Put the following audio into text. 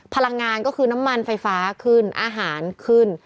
พลังงานก็คือน้ำมันไฟฟ้าขึ้นอาหารขึ้น